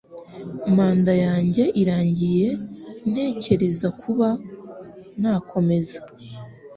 manda yanjye irangiye ntekereza kuba nakomeza